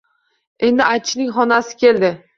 Endi aytishning xonasi keldi